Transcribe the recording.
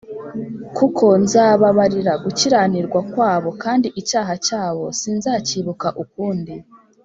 .… Kuko nzababarira gukiranirwa kwabo kandi icyaha cyabo sinzacyibuka ukundi